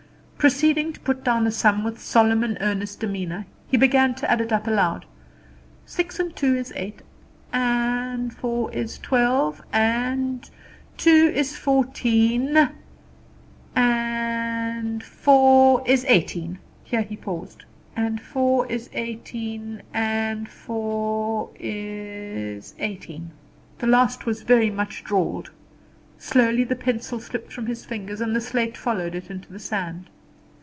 Proceeding to put down a sum with solemn and earnest demeanour, he began to add it up aloud: "Six and two is eight and four is twelve and two is fourteen and four is eighteen." Here he paused. "And four is eighteen and four is, eighteen." The last was very much drawled. Slowly the pencil slipped from his fingers, and the slate followed it into the sand.